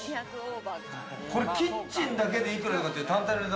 これ、キッチンだけで幾らかっていうのは。